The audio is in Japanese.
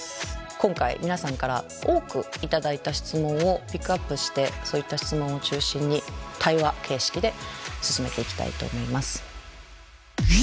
今回皆さんから多く頂いた質問をピックアップしてそういった質問を中心に対話形式で進めていきたいと思います。